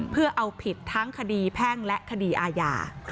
เพื่อเอาผิดทั้งคดีแพ่งและคดีอาญา